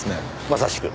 まさしく。